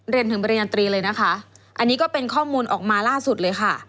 เรียนถึงปริญญาตรีเลยนะคะอันนี้ก็เป็นข้อมูลออกมาล่าสุดเลยค่ะ